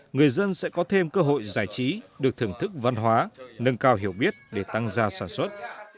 người dân sẽ có thêm cơ hội giải trí được thưởng thức văn hóa nâng cao hiểu biết để tăng gia sản xuất